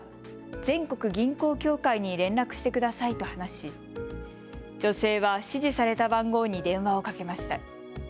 全国銀行協会に連絡してくださいと話し女性は指示された番号に電話をかけました。